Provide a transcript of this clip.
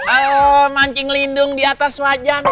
oh mancing lindung di atas wajan